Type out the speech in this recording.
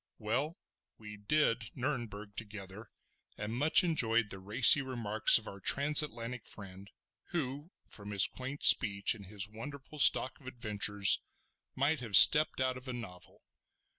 Well, we "did" Nurnberg together, and much enjoyed the racy remarks of our Transatlantic friend, who, from his quaint speech and his wonderful stock of adventures, might have stepped out of a novel.